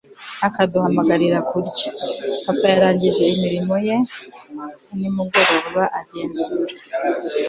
akaduhamagarira kurya. papa yarangije imirimo ye ya nimugoroba, agenzura